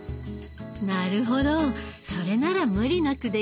なるほどそれなら無理なくできそう！